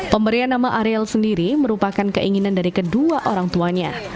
pemberian nama ariel sendiri merupakan keinginan dari kedua orang tuanya